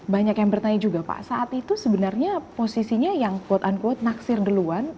banyak yang bertanya juga pak saat itu sebenarnya posisinya yang quote unquote naksir duluan